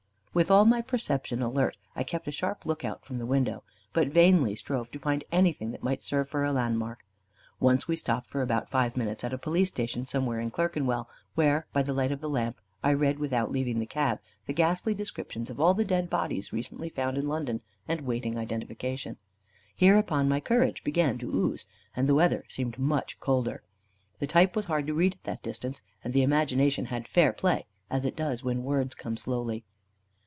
With all my perception alert, I kept a sharp look out from the window, but vainly strove to find anything that might serve for a landmark. Once we stopped for about five minutes, at a police station somewhere in Clerkenwell, where, by the light of a lamp, I read, without leaving the cab, the ghastly descriptions of all the dead bodies recently found in London and waiting identification. Hereupon my courage began to ooze, and the weather seemed much colder. The type was hard to read at that distance, and the imagination had fair play, as it does when words come slowly.